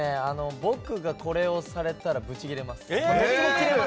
僕がこれをされたらぶちぎれます。